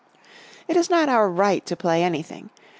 It is not our right to play anything.